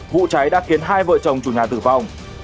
vụ cháy đã khiến hai vợ chồng chủ nhà tử vong